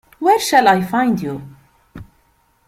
Where shall I find you?